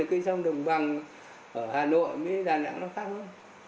cây sông đồng bằng ở hà nội với đà nẵng nó khác hơn